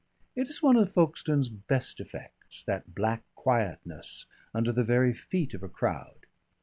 It is one of Folkestone's best effects, that black quietness under the very feet of a crowd.